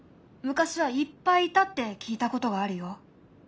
昔はいっぱいいたって聞いたことがあるよ。